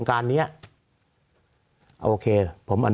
สวัสดีครับทุกคน